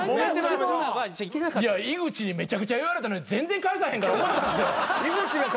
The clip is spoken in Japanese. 井口にめちゃくちゃ言われたのに全然返さへんから怒ったんですよ。